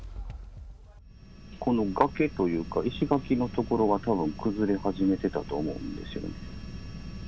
この崖というか、石垣の所がたぶん崩れ始めてたと思うんですよね。